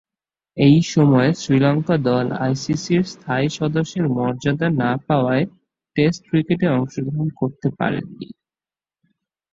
ঐ সময়ে শ্রীলঙ্কা দল আইসিসির স্থায়ী সদস্যের মর্যাদা না পাওয়ায় টেস্ট ক্রিকেটে অংশগ্রহণ করতে পারেননি।